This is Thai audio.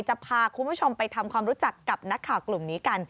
จะพาคุณผู้ชมไปทำความรู้จักกับนักข่าวกลุ่มนี้กัน